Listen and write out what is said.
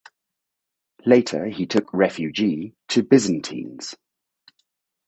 Later he took refugee to Byzantines.